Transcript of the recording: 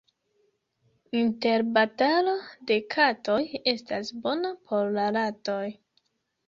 Interbatalo de katoj estas bona por la ratoj.